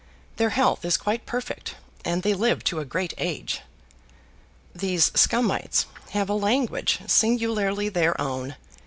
Their health is quite perfect and they live to a great age. These Scumites have a language singularly their own.